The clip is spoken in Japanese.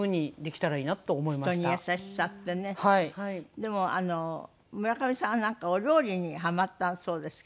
でも村上さんはなんかお料理にハマったそうですけど。